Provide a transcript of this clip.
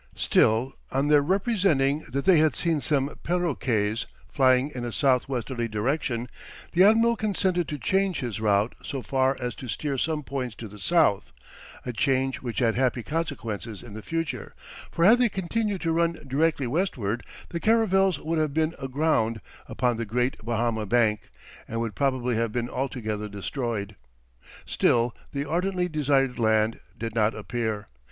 Still, on their representing that they had seen some parroquets flying in a south westerly direction, the admiral consented to change his route so far as to steer some points to the south, a change which had happy consequences in the future, for had they continued to run directly westward, the caravels would have been aground upon the great Bahama Bank, and would probably have been altogether destroyed. Still the ardently desired land did not appear.